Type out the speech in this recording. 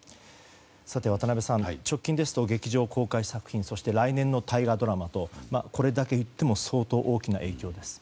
渡辺さん、直近ですと劇場公開作品そして、来年の大河ドラマとこれだけいっても相当大きな影響です。